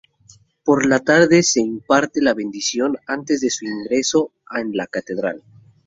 Por la tarde se imparte la bendición antes de su ingreso en la catedral.